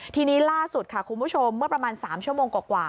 ทีนี้ล่าสุดค่ะคุณผู้ชมเมื่อประมาณ๓ชั่วโมงกว่า